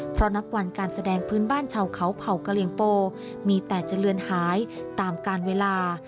เพราะนับวันการแสดงพื้นบ้านชาวเขาเผ่ากะเลียงโปมีแต่จะเลือนหายตามการเวลา